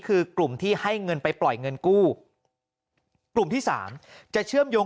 คือกลุ่มที่ให้เงินไปปล่อยเงินกู้กลุ่มที่สามจะเชื่อมโยง